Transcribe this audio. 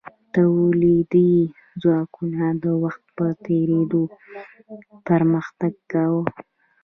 تولیدي ځواکونو د وخت په تیریدو پرمختګ کاوه.